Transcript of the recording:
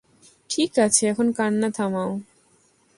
ঠিক আছে, এখন কান্না থামাও।